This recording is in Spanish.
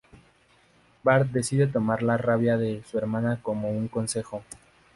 Bart decide tomar la rabia de su hermana como un consejo.